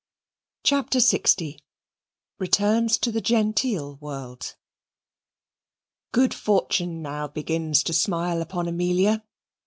CHAPTER LX Returns to the Genteel World Good fortune now begins to smile upon Amelia.